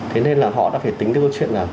thế nên là họ đã phải tính đến câu chuyện là